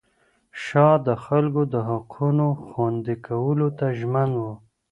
شاه د خلکو د حقونو خوندي کولو ته ژمن و.